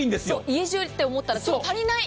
家中と思ったら足りない！